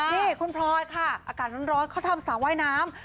นี่คุณพลอยค่ะอากาศร้อนเขาทำสระว่ายน้ำ